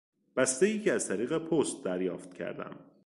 بستهای که از طریق پست دریافت کردم